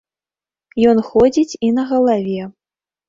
Ён ходзіць і на галаве.